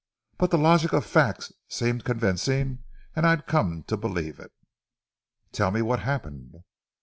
But the logic of facts seemed convincing, and I'd come to believe it." "Tell me what happened."